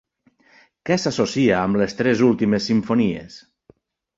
Què s'associa amb les tres últimes simfonies?